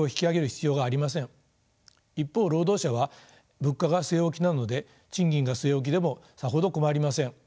一方労働者は物価が据え置きなので賃金が据え置きでもさほど困りません。